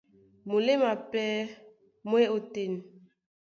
Muléma pɛ́ mú e ótên.